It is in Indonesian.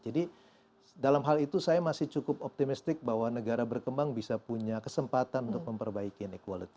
jadi dalam hal itu saya masih cukup optimistic bahwa negara berkembang bisa punya kesempatan untuk memperbaiki inequality